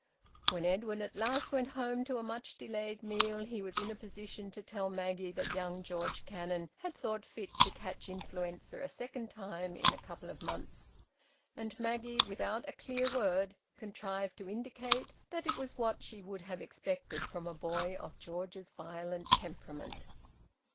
When Edwin at last went home to a much delayed meal, he was in a position to tell Maggie that young George Cannon had thought fit to catch influenza a second time in a couple of months. And Maggie, without a clear word, contrived to indicate that it was what she would have expected from a boy of George's violent temperament.